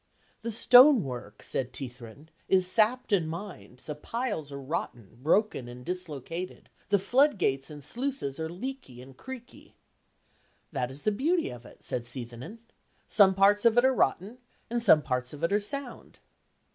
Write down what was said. "The stonework," said Teithrin, "is sapped and mined: the piles are rotten, broken and dislocated: the floodgates and sluices are leaky and creaky." "That is the beauty of it," said Seithenyn. "Some parts of it are rotten, and some parts of it are sound."